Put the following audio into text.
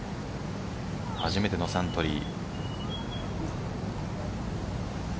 初めてのサントリー。